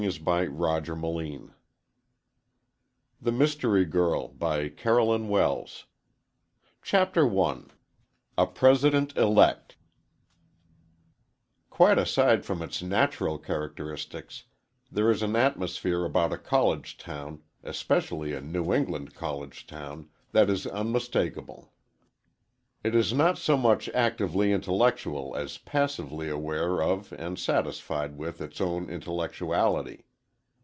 Miss Mystery no Longer 322 THE MYSTERY GIRL CHAPTER I A PRESIDENT ELECT Quite aside from its natural characteristics, there is an atmosphere about a college town, especially a New England college town, that is unmistakable. It is not so much actively intellectual as passively aware of and satisfied with its own intellectuality.